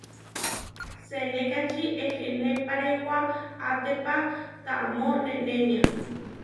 Senékači ehenéparéwaʼatépa taamó nenémia.